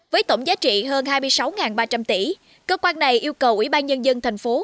với tổng giá trị hơn hai mươi sáu ba trăm linh tỷ cơ quan này yêu cầu ủy ban nhân dân thành phố